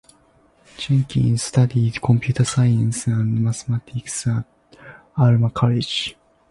Jenkins studied computer science and mathematics at Alma College.